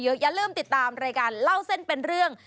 อย่าลืมติดตามรายการเล่าเส้นเป็นเรื่อง